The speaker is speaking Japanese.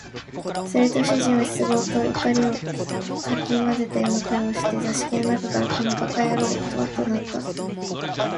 すると主人は失望と怒りを掻き交ぜたような声をして、座敷の中から「この馬鹿野郎」と怒鳴った